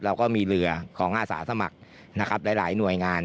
เราก็มีเรือของอาสาสมัครนะครับหลายหน่วยงาน